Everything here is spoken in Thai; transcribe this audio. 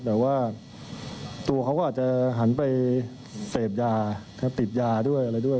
แต่ว่าตัวเขาก็อาจจะหันไปเสพยาติดยาด้วยอะไรด้วย